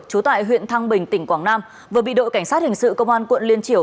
trú tại huyện thăng bình tỉnh quảng nam vừa bị đội cảnh sát hình sự công an quận liên triều